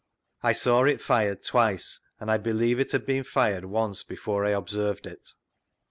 I saw it fired twice, and I believe it had been fired once before I observed it.